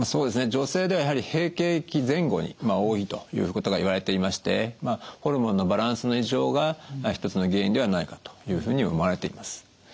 女性ではやはり閉経期前後に多いということがいわれていましてホルモンのバランスの異常が一つの原因ではないかというふうに思われています。